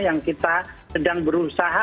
yang kita sedang berusaha